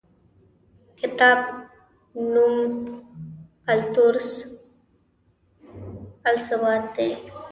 کتاب نوم التطور و الثبات دی.